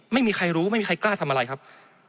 ไม่มีใครรู้ไม่มีใครกล้าทำอะไรครับ